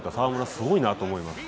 すごいなと思います。